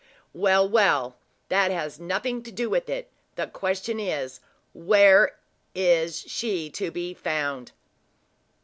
"Well, well; that has nothing to do with it. The question is, where is she to be found?"